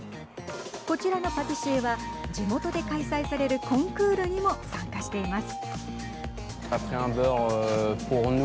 こちらのパティシエは地元で開催されるコンクールにも参加しています。